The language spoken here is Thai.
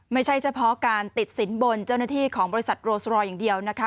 ไม่ใช่เฉพาะการติดสินบนเจ้าหน้าที่ของบริษัทโรสรอยอย่างเดียวนะคะ